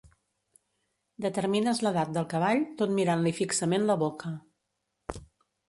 Determines l'edat del cavall tot mirant-li fixament la boca.